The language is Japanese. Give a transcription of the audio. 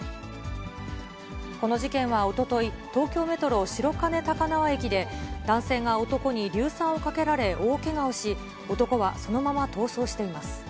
この事件はおととい、東京メトロ白金高輪駅で、男性が男に硫酸をかけられ、大けがをし、男はそのまま逃走しています。